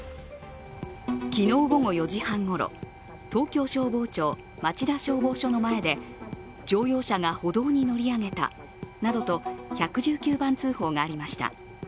昨日午後４時半ごろ、東京消防庁町田消防署の前で乗用車が歩道に乗り上げたなどと１１９番通報がありました。